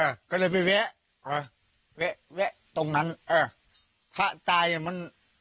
อ่ะก็เลยไปแวะอ่าแวะแวะตรงนั้นอ่าพระตายอ่ะมัน